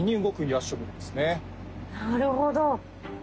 なるほど。